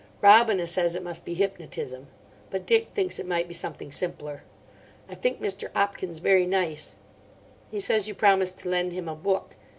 Robina says it must be hypnotism. But Dick thinks it might be something simpler. I think Mr. 'Opkins very nice. He says you promised to lend him a book.